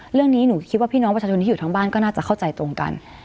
เรื่องนี้หนูคิดว่าพี่น้องประชาชนที่อยู่ทั้งบ้านก็น่าจะเข้าใจตรงกัน